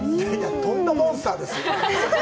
とんだモンスターですよ。